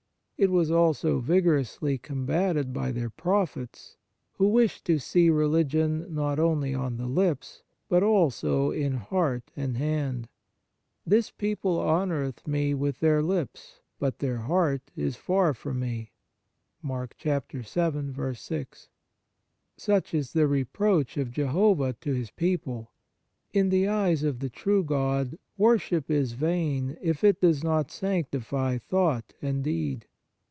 It was also vigorously combated by their prophets, who wished to see religion not only on the lips, but also in heart and hand. "This people honoureth Me with their lips, but 96 The Fruits of Piety their heart is far from Me."* Such is the reproach of Jehovah to His people. In the eyes of the true God, worship is vain, if it does not sanctify thought and deed.